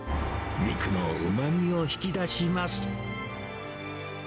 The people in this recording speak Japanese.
肉のうまみを引き出します。